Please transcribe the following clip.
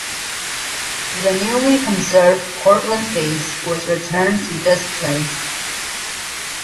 The newly conserved Portland Vase was returned to display.